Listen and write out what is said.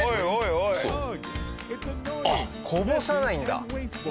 ウソ？あっこぼさないんだ。